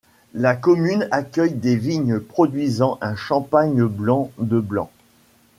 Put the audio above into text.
La commune accueille des vignes produisant un champagne Blanc de blancs.